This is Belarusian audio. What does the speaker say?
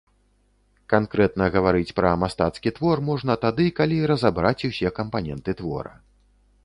Канкрэтна гаварыць пра мастацкі твор можна тады, калі разабраць усе кампаненты твора.